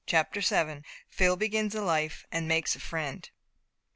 CHAPTER SEVEN. PHIL BEGINS LIFE, AND MAKES A FRIEND.